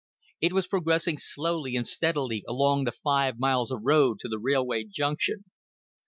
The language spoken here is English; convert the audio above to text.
It was progressing slowly and steadily along the five miles of road to the railway junction.